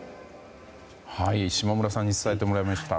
下村さんに伝えてもらいました。